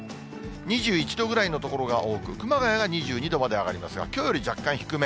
２１度ぐらいの所が多く、熊谷が２２度まで上がりますが、きょうより若干低め。